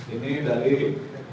ini dari polisi militer